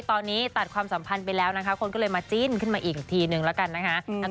ตอนนี้ตัดความสัมพันธ์ไปแล้วนะคะคนก็เลยมาจิ้นขึ้นมาอีกทีนึงแล้วกันนะคะ